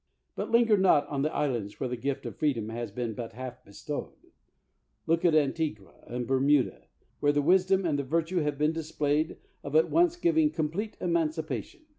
But linger not on the islands where the gift of freedom has been but half bestowed. Look 143 THE WORLD'S FAMOUS ORATIONS at Antigua and Bermuda, where the wisdom and the virtue have been displayed of at once giving complete emancipation.